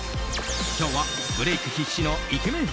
今日はブレイク必至のイケメン